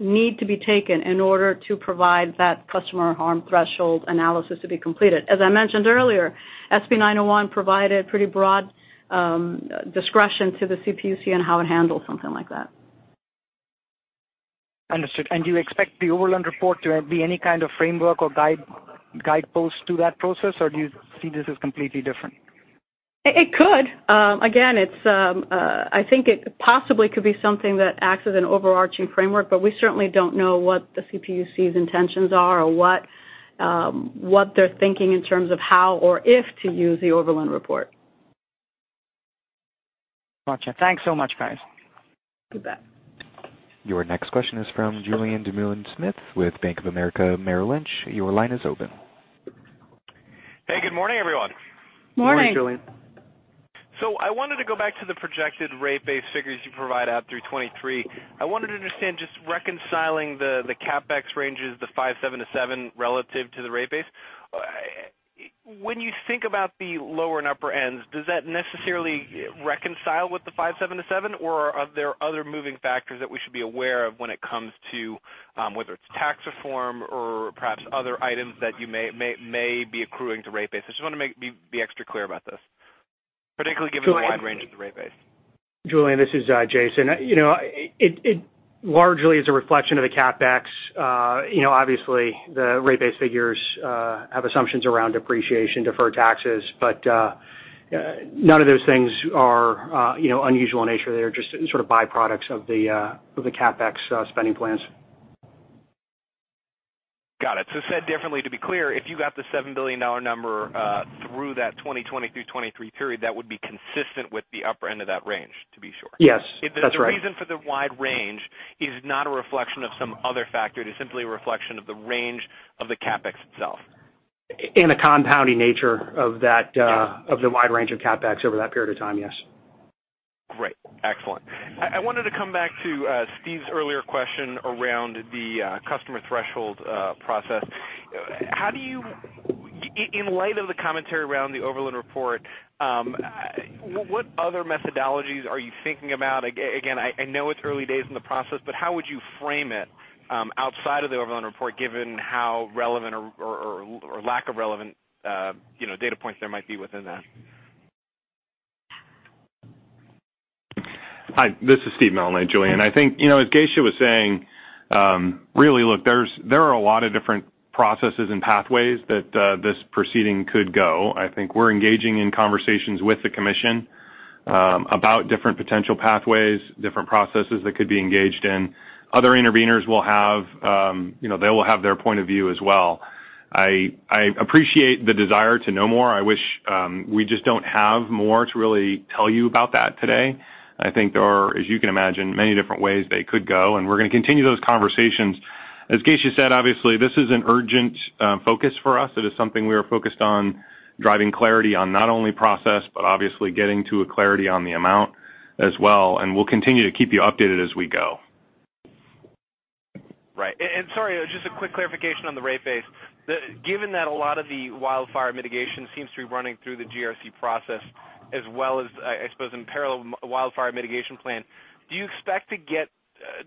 need to be taken in order to provide that customer harm threshold analysis to be completed. As I mentioned earlier, SB 901 provided pretty broad discretion to the CPUC on how it handles something like that. Understood. Do you expect the Overland report to be any kind of framework or guidepost to that process, or do you see this as completely different? It could. Again, I think it possibly could be something that acts as an overarching framework, but we certainly don't know what the CPUC's intentions are or what they're thinking in terms of how or if to use the Overland report. Gotcha. Thanks so much, guys. Goodbye. Your next question is from Julien Dumoulin-Smith with Bank of America Merrill Lynch. Your line is open. Hey, good morning, everyone. Morning. Morning, Julien. I wanted to go back to the projected rate base figures you provide out through 2023. I wanted to understand just reconciling the CapEx ranges, the $5.7 billion-$7 billion relative to the rate base. When you think about the lower and upper ends, does that necessarily reconcile with the $5.7 billion-$7 billion, or are there other moving factors that we should be aware of when it comes to, whether it's tax reform or perhaps other items that you may be accruing to rate base? I just want to be extra clear about this. Particularly given the wide range of the rate base. Julien, this is Jason. It largely is a reflection of the CapEx. Obviously, the rate base figures have assumptions around depreciation, deferred taxes, but none of those things are unusual in nature. They're just sort of byproducts of the CapEx spending plans. Got it. Said differently, to be clear, if you got the $7 billion number through that 2020 through 2023 period, that would be consistent with the upper end of that range, to be sure? Yes. That's right. The reason for the wide range is not a reflection of some other factor, it is simply a reflection of the range of the CapEx itself. The compounding nature of the wide range of CapEx over that period of time, yes. Great. Excellent. I wanted to come back to Steve's earlier question around the customer threshold process. In light of the commentary around the Overland report, what other methodologies are you thinking about? Again, I know it's early days in the process, but how would you frame it outside of the Overland report, given how relevant or lack of relevant data points there might be within that? Hi, this is Steve Malnight, Julien. I think, as Geisha was saying, really look, there are a lot of different processes and pathways that this proceeding could go. I think we're engaging in conversations with the commission about different potential pathways, different processes that could be engaged in. Other interveners will have their point of view as well. I appreciate the desire to know more. We just don't have more to really tell you about that today. I think there are, as you can imagine, many different ways they could go, and we're going to continue those conversations. As Geisha said, obviously, this is an urgent focus for us. It is something we are focused on driving clarity on not only process, but obviously getting to a clarity on the amount as well, and we'll continue to keep you updated as we go. Right. Sorry, just a quick clarification on the rate base. Given that a lot of the wildfire mitigation seems to be running through the GRC process as well as, I suppose, in parallel with Wildfire Mitigation Plan, do you expect to get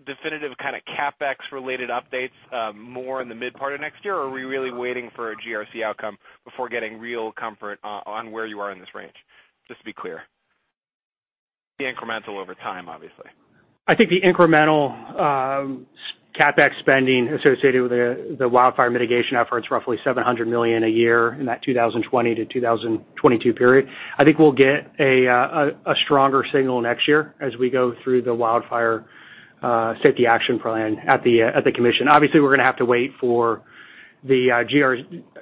definitive kind of CapEx related updates more in the mid part of next year? Or are we really waiting for a GRC outcome before getting real comfort on where you are in this range? Just to be clear. The incremental over time, obviously. I think the incremental CapEx spending associated with the wildfire mitigation effort is roughly $700 million a year in that 2020 to 2022 period. I think we'll get a stronger signal next year as we go through the Wildfire Safety Action Plan at the commission. Obviously, we're going to have to wait for the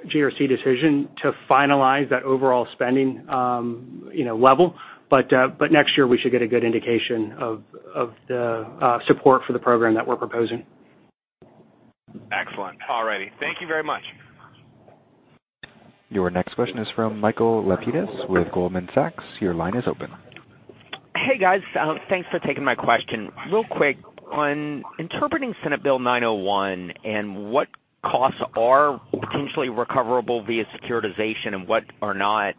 GRC decision to finalize that overall spending level. Next year, we should get a good indication of the support for the program that we're proposing. Excellent. All righty. Thank you very much. Your next question is from Michael Lapides with Goldman Sachs. Your line is open. Hey, guys. Thanks for taking my question. Real quick, on interpreting Senate Bill 901 and what costs are potentially recoverable via securitization and what are not,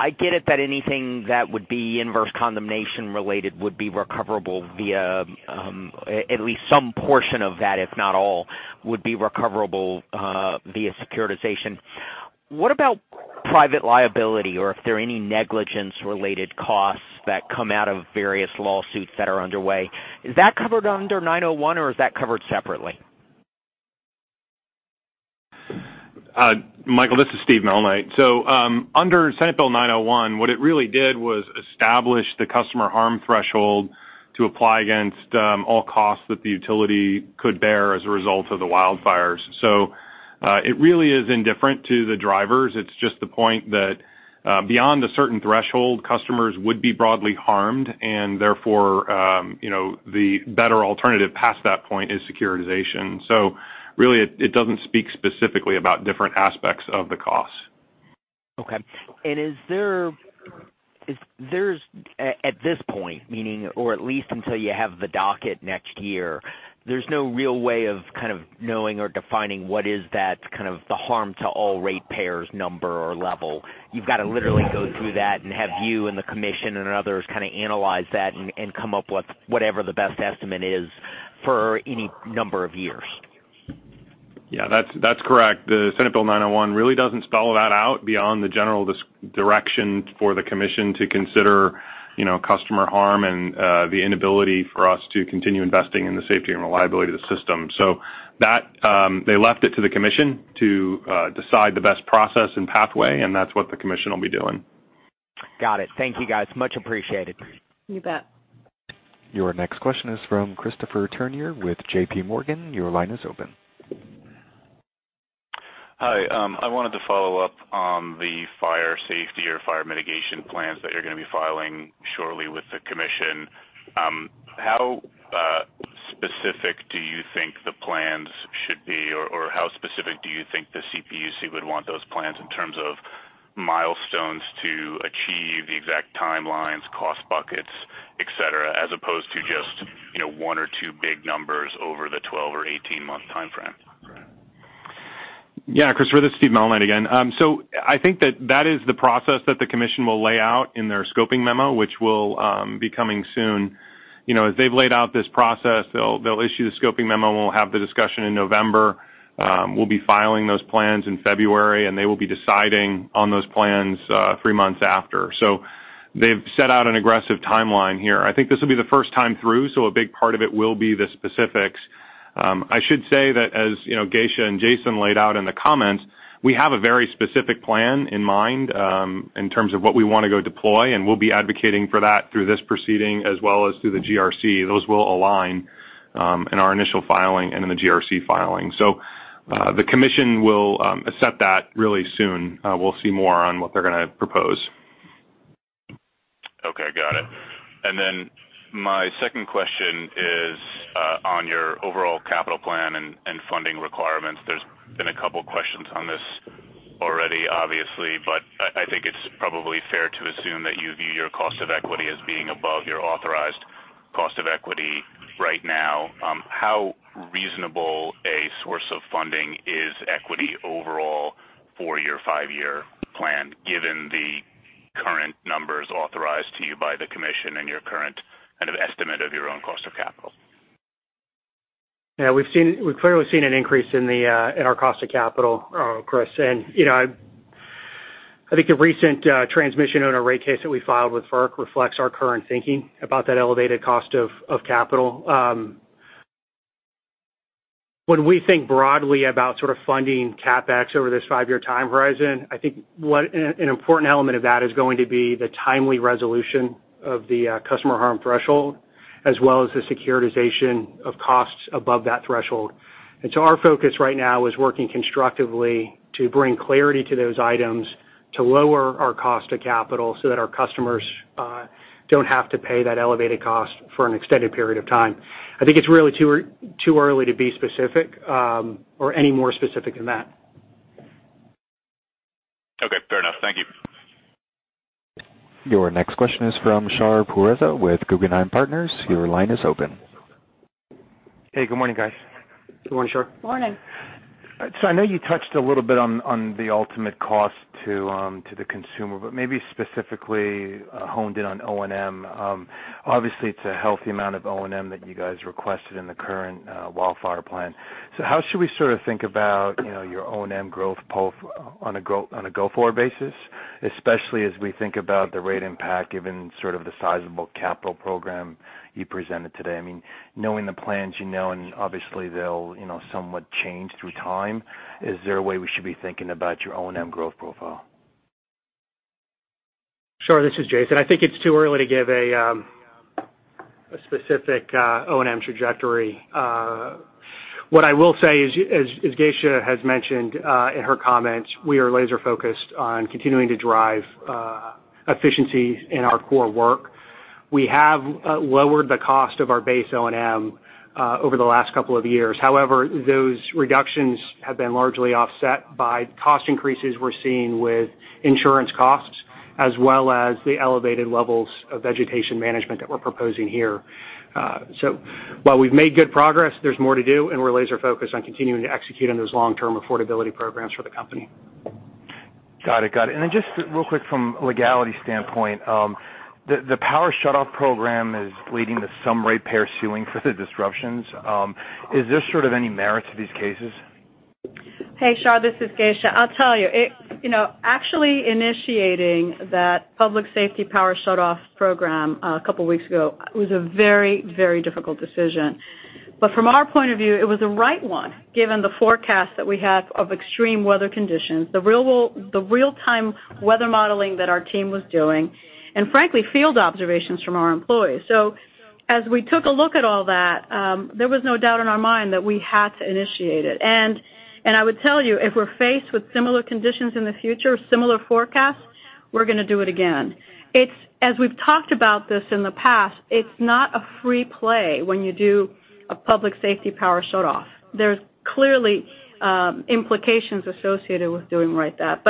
I get it that anything that would be inverse condemnation-related would be recoverable, at least some portion of that, if not all, would be recoverable via securitization. What about private liability, or if there are any negligence-related costs that come out of various lawsuits that are underway, is that covered under 901 or is that covered separately? Michael, this is Steve Malnight. Under Senate Bill 901, what it really did was establish the customer harm threshold to apply against all costs that the utility could bear as a result of the wildfires. It really is indifferent to the drivers. It's just the point that beyond a certain threshold, customers would be broadly harmed and therefore, the better alternative past that point is securitization. Really, it doesn't speak specifically about different aspects of the cost. At this point, meaning or at least until you have the docket next year, there's no real way of kind of knowing or defining what is that kind of the harm to all ratepayers number or level. You've got to literally go through that and have you and the Commission and others kind of analyze that and come up with whatever the best estimate is for any number of years. Yeah, that's correct. The Senate Bill 901 really doesn't spell that out beyond the general direction for the Commission to consider customer harm and the inability for us to continue investing in the safety and reliability of the system. They left it to the Commission to decide the best process and pathway, and that's what the Commission will be doing. Got it. Thank you, guys. Much appreciated. You bet. Your next question is from Christopher Turnure with J.P. Morgan. Your line is open. Hi. I wanted to follow up on the Wildfire Mitigation Plans that you're going to be filing shortly with the commission. How specific do you think the plans should be, or how specific do you think the CPUC would want those plans in terms of milestones to achieve the exact timelines, cost buckets, et cetera, as opposed to just one or two big numbers over the 12 or 18-month timeframe? Christopher, this is Steve Malnight again. I think that that is the process that the commission will lay out in their scoping memo, which will be coming soon. As they've laid out this process, they'll issue the scoping memo, and we'll have the discussion in November. We'll be filing those plans in February, and they will be deciding on those plans three months after. They've set out an aggressive timeline here. I think this will be the first time through, a big part of it will be the specifics. I should say that as Geisha and Jason laid out in the comments, we have a very specific plan in mind, in terms of what we want to go deploy, and we'll be advocating for that through this proceeding as well as through the GRC. Those will align, in our initial filing and in the GRC filing. The commission will accept that really soon. We'll see more on what they're going to propose. Okay, got it. My second question is, on your overall capital plan and funding requirements. There's been a couple of questions on this already, obviously, but I think it's probably fair to assume that you view your cost of equity as being above your authorized cost of equity right now. How reasonable a source of funding is equity overall four-year, five-year plan, given the current numbers authorized to you by the commission and your current kind of estimate of your own cost of capital? Yeah, we've clearly seen an increase in our cost of capital, Chris, I think the recent Transmission Owner rate case that we filed with FERC reflects our current thinking about that elevated cost of capital. When we think broadly about sort of funding CapEx over this five-year time horizon, I think an important element of that is going to be the timely resolution of the customer harm threshold, as well as the securitization of costs above that threshold. Our focus right now is working constructively to bring clarity to those items to lower our cost of capital so that our customers don't have to pay that elevated cost for an extended period of time. I think it's really too early to be specific, or any more specific than that. Okay, fair enough. Thank you. Your next question is from Shar Pourreza with Guggenheim Partners. Your line is open. Hey, good morning, guys. Good morning, Shar. Morning. I know you touched a little bit on the ultimate cost to the consumer, but maybe specifically honed in on O&M. Obviously, it's a healthy amount of O&M that you guys requested in the current wildfire plan. How should we sort of think about your O&M growth on a go-forward basis, especially as we think about the rate impact given sort of the sizable capital program you presented today? Knowing the plans you know, and obviously they'll somewhat change through time, is there a way we should be thinking about your O&M growth profile? Shar, this is Jason. I think it's too early to give a specific O&M trajectory. What I will say is, as Geisha has mentioned in her comments, we are laser-focused on continuing to drive efficiencies in our core work. We have lowered the cost of our base O&M over the last couple of years. However, those reductions have been largely offset by cost increases we're seeing with insurance costs as well as the elevated levels of vegetation management that we're proposing here. While we've made good progress, there's more to do, and we're laser-focused on continuing to execute on those long-term affordability programs for the company. Got it. Just real quick from legality standpoint, the Power Shutoff Program is leading to some ratepayer suing for the disruptions. Is there sort of any merit to these cases? Hey, Shar, this is Geisha. I'll tell you, actually initiating that Public Safety Power Shutoff Program a couple of weeks ago was a very difficult decision, from our point of view, it was the right one, given the forecast that we had of extreme weather conditions, the real-time weather modeling that our team was doing, and frankly, field observations from our employees. As we took a look at all that, there was no doubt in our mind that we had to initiate it. I would tell you, if we're faced with similar conditions in the future, similar forecasts, we're going to do it again. As we've talked about this in the past, it's not a free play when you do a Public Safety Power Shutoff. There's clearly implications associated with doing right that.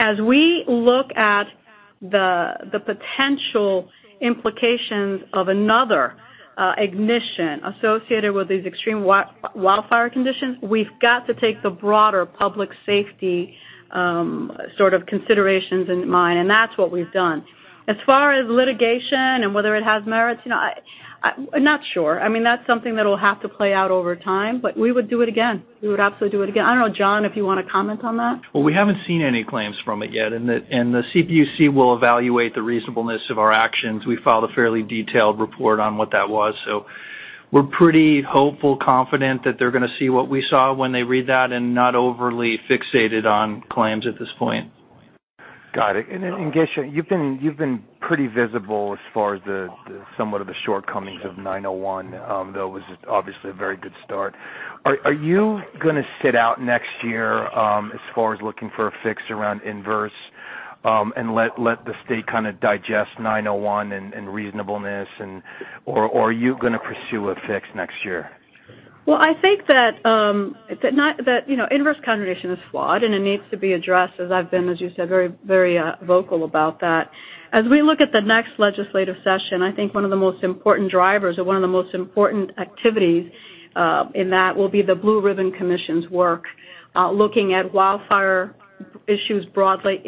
As we look at the potential implications of another ignition associated with these extreme wildfire conditions, we've got to take the broader public safety sort of considerations in mind and that's what we've done. As far as litigation and whether it has merits, I'm not sure. That's something that'll have to play out over time, we would do it again. We would absolutely do it again. I don't know, John, if you want to comment on that. Well, we haven't seen any claims from it yet, the CPUC will evaluate the reasonableness of our actions. We filed a fairly detailed report on what that was, we're pretty hopeful, confident that they're going to see what we saw when they read that and not overly fixated on claims at this point. Got it. Geisha, you've been pretty visible as far as somewhat of the shortcomings of 901, though it was obviously a very good start. Are you going to sit out next year, as far as looking for a fix around inverse, and let the state kind of digest 901 and reasonableness or are you going to pursue a fix next year? I think that inverse condemnation is flawed and it needs to be addressed as I've been, as you said, very vocal about that. As we look at the next legislative session, I think one of the most important drivers or one of the most important activities in that will be the Blue Ribbon Commission's work looking at wildfire Issues broadly,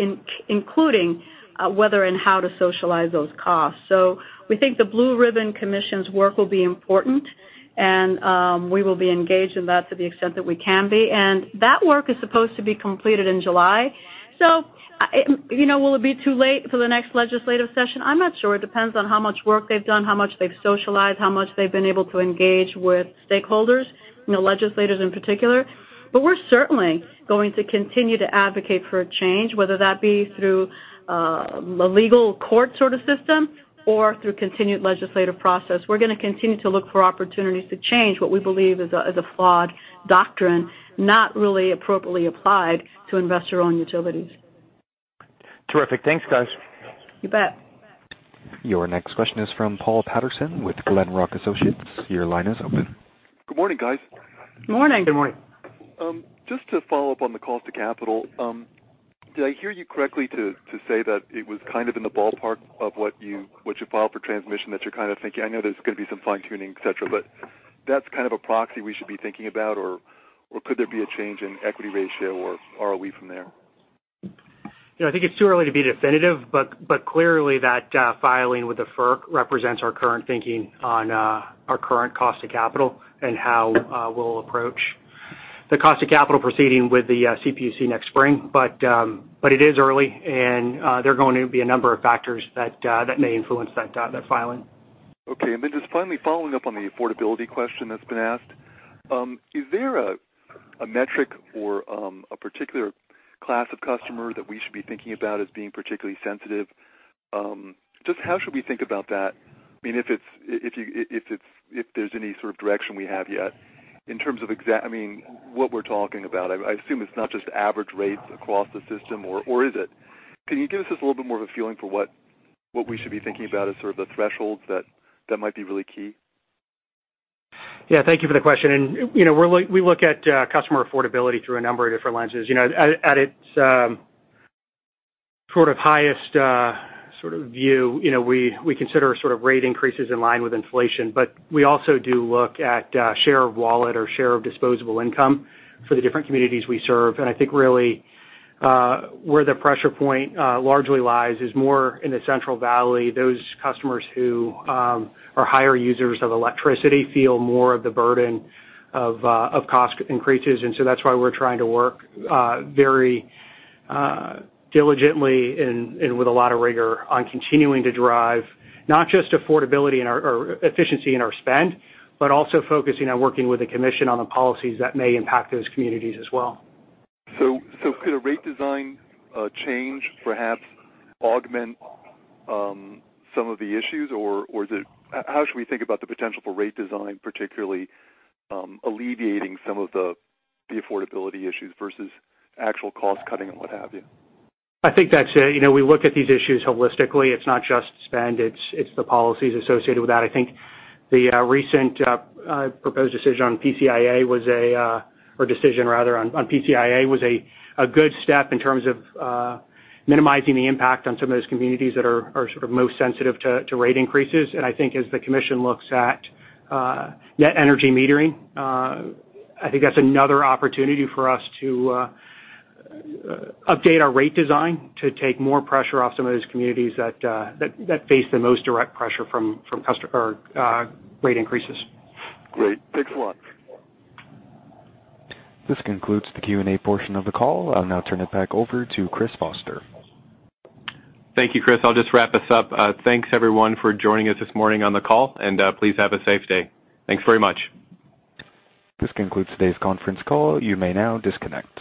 including whether and how to socialize those costs. We think the Blue Ribbon Commission's work will be important, and we will be engaged in that to the extent that we can be. That work is supposed to be completed in July. Will it be too late for the next legislative session? I'm not sure. It depends on how much work they've done, how much they've socialized, how much they've been able to engage with stakeholders, legislators in particular. We're certainly going to continue to advocate for a change, whether that be through a legal court sort of system or through continued legislative process. We're going to continue to look for opportunities to change what we believe is a flawed doctrine, not really appropriately applied to investor-owned utilities. Terrific. Thanks, guys. You bet. Your next question is from Paul Patterson with Glenrock Associates. Your line is open. Good morning, guys. Morning. Good morning. Just to follow up on the cost of capital. Did I hear you correctly to say that it was kind of in the ballpark of what you file for transmission, that you're kind of thinking, I know there's going to be some fine-tuning, et cetera, but that's kind of a proxy we should be thinking about, or could there be a change in equity ratio or are we from there? Yeah, I think it's too early to be definitive. Clearly that filing with the FERC represents our current thinking on our current cost of capital and how we'll approach the cost of capital proceeding with the CPUC next spring. It is early, and there are going to be a number of factors that may influence that filing. Okay. Just finally following up on the affordability question that's been asked, is there a metric or a particular class of customer that we should be thinking about as being particularly sensitive? Just how should we think about that? If there's any sort of direction we have yet in terms of what we're talking about, I assume it's not just average rates across the system or is it? Can you give us just a little bit more of a feeling for what we should be thinking about as sort of the thresholds that might be really key? Yeah, thank you for the question. We look at customer affordability through a number of different lenses. At its sort of highest view, we consider rate increases in line with inflation. We also do look at share of wallet or share of disposable income for the different communities we serve. I think really where the pressure point largely lies is more in the Central Valley. Those customers who are higher users of electricity feel more of the burden of cost increases. That's why we're trying to work very diligently and with a lot of rigor on continuing to drive not just affordability or efficiency in our spend, but also focusing on working with the commission on the policies that may impact those communities as well. Could a rate design change perhaps augment some of the issues or how should we think about the potential for rate design particularly alleviating some of the affordability issues versus actual cost cutting and what have you? I think that we look at these issues holistically. It's not just spend, it's the policies associated with that. I think the recent proposed decision on PCIA was a good step in terms of minimizing the impact on some of those communities that are sort of most sensitive to rate increases. I think as the commission looks at net energy metering, I think that's another opportunity for us to update our rate design to take more pressure off some of those communities that face the most direct pressure from rate increases. Great. Thanks a lot. This concludes the Q&A portion of the call. I'll now turn it back over to Christopher Foster. Thank you, Chris. I'll just wrap this up. Thanks everyone for joining us this morning on the call, please have a safe day. Thanks very much. This concludes today's conference call. You may now disconnect.